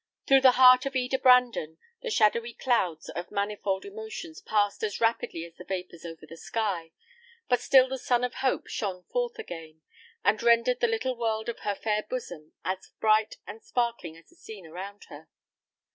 Through the heart of Eda Brandon the shadowy clouds of manifold emotions passed as rapidly as the vapours over the sky, but still the sun of hope shone forth again, and rendered the little world of her fair bosom as bright and sparkling as the scene around her.